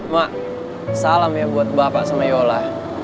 mak salam ya buat bapak sama yola